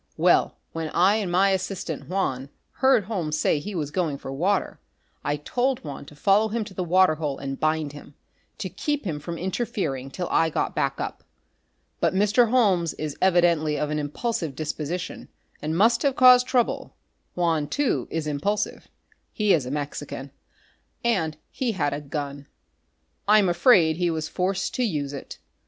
Well, when I and my assistant, Juan, heard Holmes say he was going for water, I told Juan to follow him to the water hole and bind him, to keep him from interfering till I got back up. But Mr. Holmes is evidently of an impulsive disposition, and must have caused trouble. Juan, too, is impulsive; he is a Mexican. And he had a gun. I'm afraid he was forced to use it....